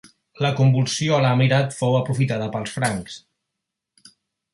La convulsió a l'emirat fou aprofitada pels francs.